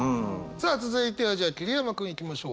さあ続いてはじゃあ桐山君いきましょう。